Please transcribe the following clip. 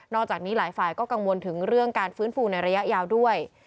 จากนี้หลายฝ่ายก็กังวลถึงเรื่องการฟื้นฟูในระยะยาวด้วย